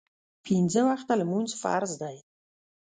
پینځه وخته لمونځ فرض دی